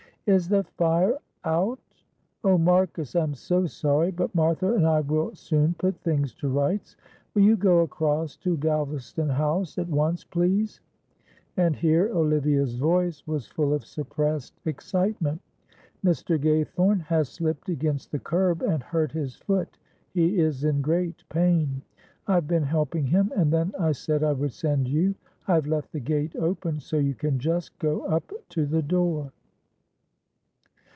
"Is the fire out? Oh, Marcus, I am so sorry, but Martha and I will soon put things to rights. Will you go across to Galvaston House at once, please?" and here Olivia's voice was full of suppressed excitement. "Mr. Gaythorne has slipped against the curb and hurt his foot; he is in great pain. I have been helping him, and then I said I would send you. I have left the gate open so you can just go up to the door."